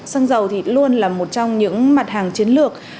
xăng dầu thì luôn là một trong những mặt hàng chiến lược